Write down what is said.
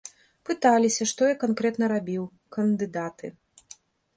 Пыталіся, што я канкрэтна рабіў, кандыдаты.